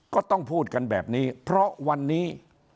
ก็ต้องพูดกันแบบนี้เพราะวันนี้